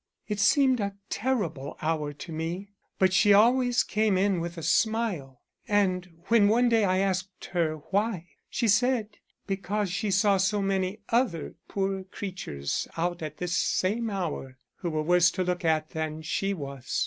It seemed a terrible hour to me, but she always came in with a smile, and when one day I asked her why, she said, because she saw so many other poor creatures out at this same hour, who were worse to look at than she was.